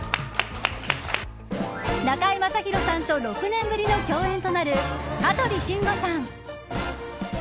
中居正広さんと６年ぶりの共演となる香取慎吾さん。